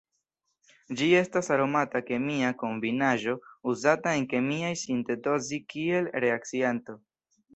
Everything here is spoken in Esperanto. Ĝi estas aromata kemia kombinaĵo uzata en kemiaj sintezoj kiel reakcianto.